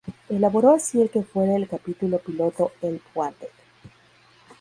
Elaboró así el que fuera el capítulo piloto: "Help Wanted".